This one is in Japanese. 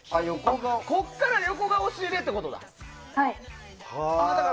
ここから横が押し入れってことか。